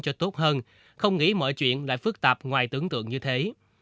cho tốt hơn không nghĩ mọi chuyện lại phức tạp ngoài tưởng tượng như thế